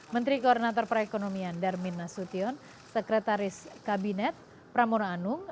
menteri koordinator perekonomian darmin nasution sekretaris kabinet pramono anung